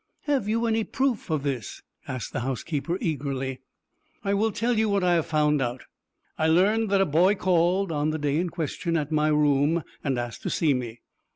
"Have you any proof of this?" asked the housekeeper, eagerly. "I will tell you what I have found out. I learn that a boy called, on the day in question, at my room and asked to see me.